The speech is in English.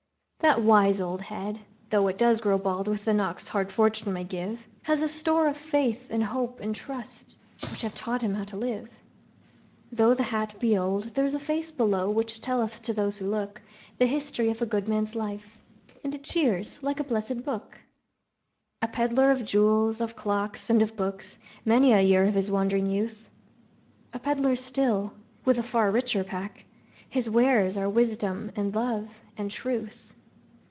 That wise old head! (though it does grow bald With the knocks hard fortune may give) Has a store of faith and hope and trust, Which have taught him how to live. Though the hat be old, there's a face below Which telleth to those who look The history of a good man's life, And it cheers like a blessed book. A peddler of jewels, of clocks, and of books, Many a year of his wandering youth; A peddler still, with a far richer pack, His wares are wisdom and love and truth.